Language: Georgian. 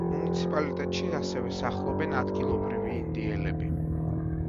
მუნიციპალიტეტში ასევე სახლობენ ადგილობრივი ინდიელები.